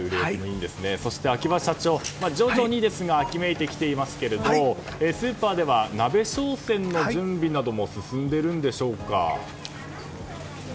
そして、秋葉社長徐々に秋めいていますがスーパーでは鍋商戦の準備も進んでいるんでしょうか？